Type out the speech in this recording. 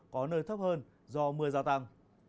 có nơi thấp hơn do mưa gia tăng